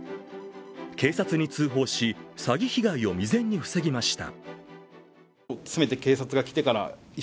警察に通報し、詐欺被害を未然にふせぎました。